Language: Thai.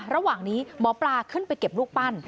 ระหว่างนี้หมอปลาขึ้นไปเก็บรูปปั้น